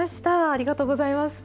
ありがとうございます。